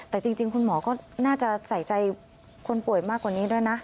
แต่จริงคุณหมอก็น่าจะใส่ใจคนป่วยมากกว่านี้ด้วยนะ